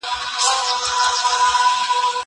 دا مينه له هغه ښکلي ده؟!